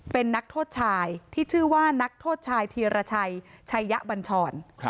เป็นนักโทษชายที่ชื่อว่านักโทษชายธีรชัยชัยบัญชร